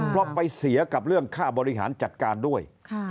เพราะไปเสียกับเรื่องค่าบริหารจัดการด้วย